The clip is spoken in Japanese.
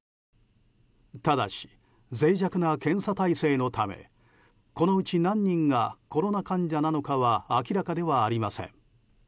ただし、脆弱な検査体制のためこのうち何人がコロナ患者なのかは明らかではありません。